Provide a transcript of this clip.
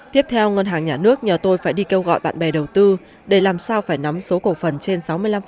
tiếp theo ngân hàng nhà nước nhờ tôi phải đi kêu gọi bạn bè đầu tư để làm sao phải nắm số cổ phần trên sáu mươi năm